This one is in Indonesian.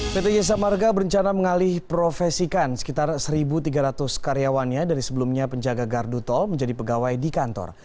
pt jasa marga berencana mengalih profesikan sekitar satu tiga ratus karyawannya dari sebelumnya penjaga gardu tol menjadi pegawai di kantor